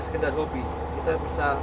sekedar hobi kita bisa